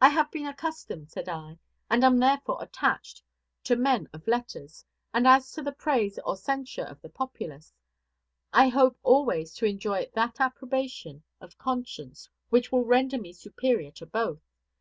"I have been accustomed," said I, "and am therefore attached, to men of letters; and as to the praise or censure of the populace, I hope always to enjoy that approbation of conscience which will render me superior to both.